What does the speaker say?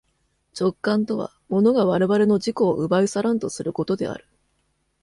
直観とは物が我々の自己を奪い去らんとすることである。